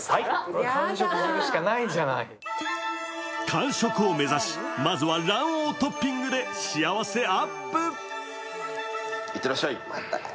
完食を目指し、まずは卵黄トッピングで幸せアップ。